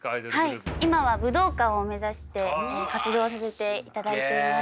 今は武道館を目指して活動させていただいています。